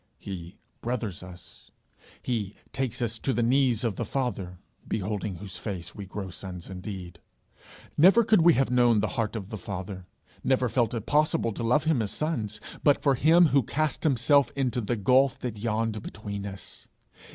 He brothers us. He takes us to the knees of the Father, beholding whose face we grow sons indeed. Never could we have known the heart of the Father, never felt it possible to love him as sons, but for him who cast himself into the gulf that yawned between us.